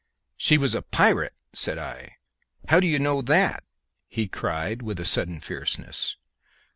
"She was a pirate?" said I. "How do you know that?" he cried with a sudden fierceness.